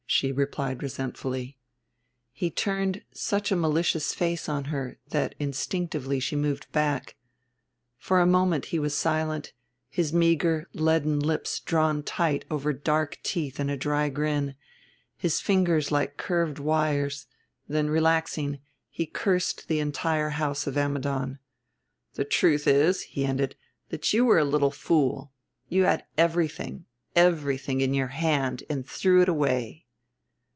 she replied resentfully. He turned such a malicious face on her that instinctively she moved back. For a moment he was silent, his meager leaden lips drawn tight over dark teeth in a dry grin, his fingers like curved wires; then, relaxing, he cursed the entire house of Ammidon. "The truth is," he ended, "that you were a little fool; you had everything, everything, in your hand and threw it away."